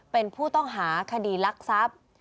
เป็นผู้ต้องหาคดีลักทรัพย์